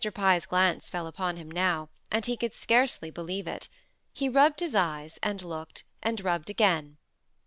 Pye's glance fell upon him now, and he could scarcely believe it. He rubbed his eyes, and looked, and rubbed again.